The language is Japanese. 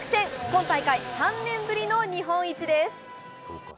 今大会、３年ぶりの日本一です。